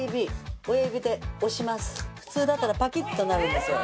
普通だったらパキッとなるんですよ。